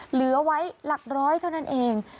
เหลือไว้หลักร้อยเท่านั้นเอง